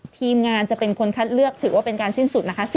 ทีมงานจะเป็นคนคัดเลือกถือว่าเป็นการสิ้นสุดนะคะ